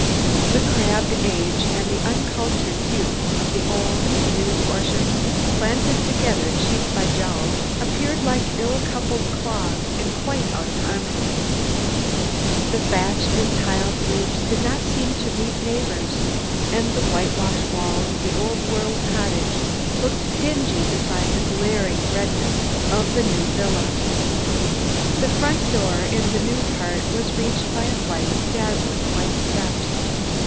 The crabbed age and the uncultured youth of the old and new portions, planted together cheek by jowl, appeared like ill coupled clogs and quite out of harmony. The thatched and tiled roofs did not seem meet neighbors, and the whitewash walls of the old world cottage looked dingy beside the glaring redness of the new villa. The front door in the new part was reached by a flight of dazzling white steps.